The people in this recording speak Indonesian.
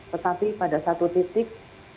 tetapi pada satu titik